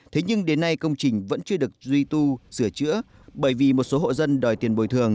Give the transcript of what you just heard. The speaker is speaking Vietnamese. thế nhưng đến nay công trình vẫn chưa được duy tu sửa chữa bởi vì một số hộ dân đòi tiền bồi thường